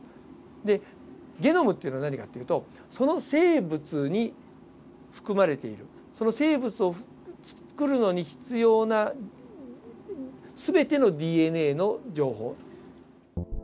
でゲノムっていうのは何かっていうとその生物に含まれているその生物を作るのに必要な全てのＤＮＡの情報。